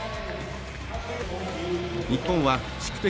日本は宿敵